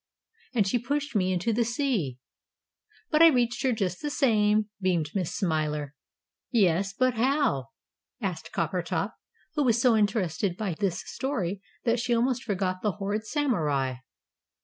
And she pushed me Into the sea. But I reached here just the same!" beamed Miss Smiler. "Yes, but how?" asked Coppertop, who was so interested by this story that she almost forgot the horrid Samurai.